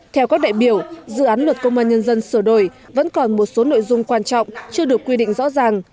theo các đại biểu dự án luật công an nhân dân sửa đổi vẫn còn một số nội dung quan trọng chưa được quy định rõ ràng